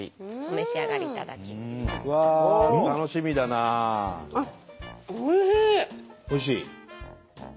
おいしい？